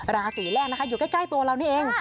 ราศีแรกนะคะอยู่ใกล้ตัวเรานี่เอง